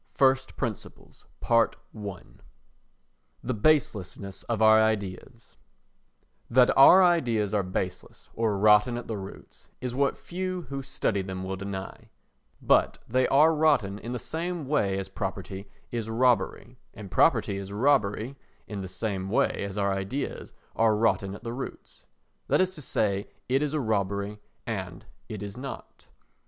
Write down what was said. XX First Principles The Baselessness of Our Ideas THAT our ideas are baseless, or rotten at the roots, is what few who study them will deny; but they are rotten in the same way as property is robbery, and property is robbery in the same way as our ideas are rotten at the roots, that is to say it is a robbery and it is not.